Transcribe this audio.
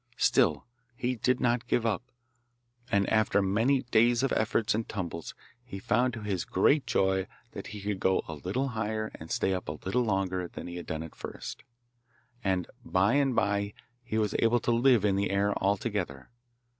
Still he did not give up, and after many days of efforts and tumbles he found to his great joy that he could go a little higher and stay up a little longer than he had done at first, and by and bye he was able to live in the air altogether.